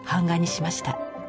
しました。